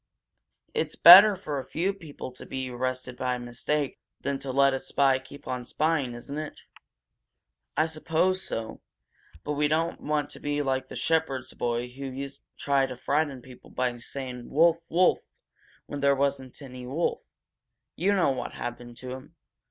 "It's better for a few people to be arrested by mistake than to let a spy keep on spying, isn't it?" "I suppose so, but we don't want to be like the shepherd's boy who used to try to frighten people by calling 'Wolf! Wolf!' when there wasn't any wolf. You know what happened to him.